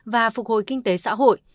và phục hồi kinh tế xã hội